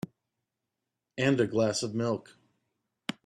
And a glass of milk.